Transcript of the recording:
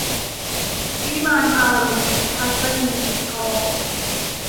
วิมานอารมณ์ - ทัศนีย์ สีทอง